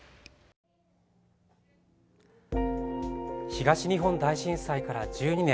東日本大震災から１２年。